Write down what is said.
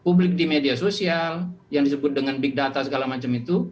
publik di media sosial yang disebut dengan big data segala macam itu